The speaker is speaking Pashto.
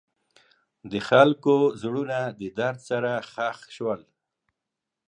د خلکو زړونه د درد سره ښخ شول.